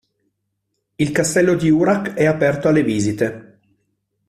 Il castello di Urach è aperto alle visite.